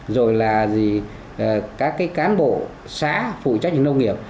rồi là các cán bộ xá phụ trách nông nghiệp